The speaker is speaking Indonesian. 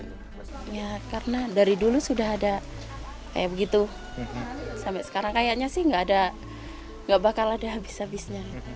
ya karena dari dulu sudah ada kayak begitu sampai sekarang kayaknya sih nggak ada nggak bakal ada habis habisnya